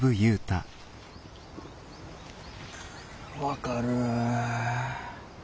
分かる。